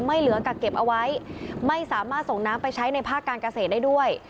ไม่เหลือกักเก็บเอาไว้ไม่สามารถส่งน้ำไปใช้ในภาคการเกษตรได้ด้วย